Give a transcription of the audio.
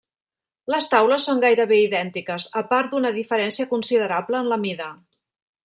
Les taules són gairebé idèntiques, a part d'una diferència considerable en la mida.